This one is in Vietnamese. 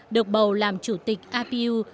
được bầu làm chủ tịch ipu